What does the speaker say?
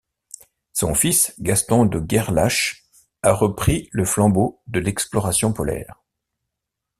Son fils, Gaston de Gerlache, a repris le flambeau de l'exploration polaire.